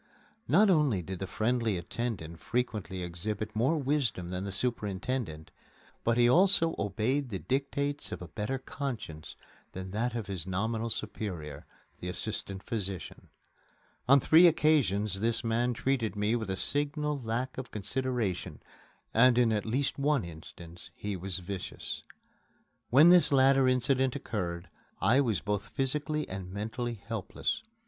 Not only did the friendly attendant frequently exhibit more wisdom than the superintendent, but he also obeyed the dictates of a better conscience than that of his nominal superior, the assistant physician. On three occasions this man treated me with a signal lack of consideration, and in at least one instance he was vicious. When this latter incident occurred, I was both physically and mentally helpless.